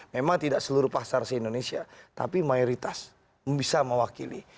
memang tidak seluruh pasar se indonesia tapi mayoritas bisa mewakili